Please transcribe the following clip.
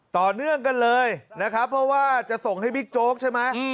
ต่อเนื่องกันเลยเพราะว่าจะส่งให้บิ๊กโจ๊กใช่มั้ย